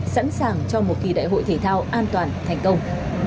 sẵn sàng cho một kỳ đại hội thể thao an toàn thành công